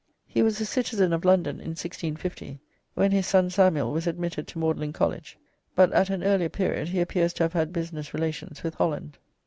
He was a citizen of London in 1650, when his son Samuel was admitted to Magdalene College, but at an earlier period he appears to have had business relations with Holland.